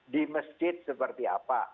di masjid seperti apa